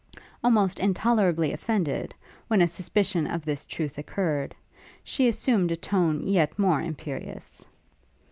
Almost intolerably offended when a suspicion of this truth occurred, she assumed a tone yet more imperious.